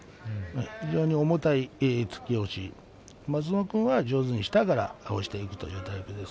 非常に重たい突き押し松園君は上手に下から合わせていくというタイプです。